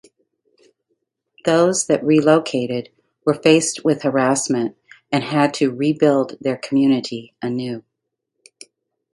Those that relocated were faced with harassment and had to rebuild their community anew.